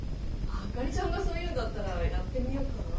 あかりちゃんがそう言うんだったらやってみようかな。